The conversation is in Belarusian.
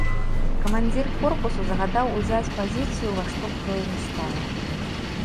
Камандзір корпусу загадаў узяць пазіцыю ўва што б тое ні стала.